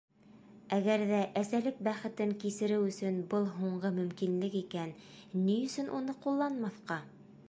Әгәр ҙә әсәлек бәхетен кисереү өсөн был һуңғы мөмкинлек икән, ни өсөн уны ҡулланмаҫҡа?